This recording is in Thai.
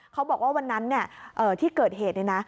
เขาบอกว่าวันนั้นที่เกิดเหตุ